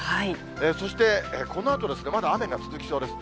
そして、このあとですね、まだ雨が続きそうです。